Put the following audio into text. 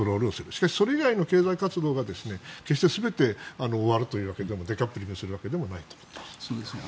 しかし、それ以外の経済活動が決してすべて終わるというデカップリングするわけではないという。